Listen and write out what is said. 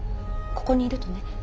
ここにいるとね